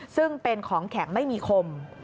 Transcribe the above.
ซึ่งเป็นของแข็งไม่มีคม